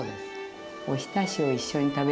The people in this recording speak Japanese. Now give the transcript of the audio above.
おひたしを一緒に食べる。